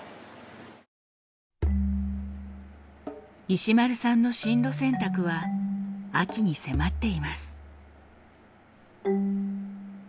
石丸さんの進路選択は秋に迫っています。